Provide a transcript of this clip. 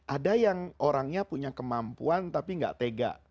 ada yang orangnya punya kemampuan tapi nggak tega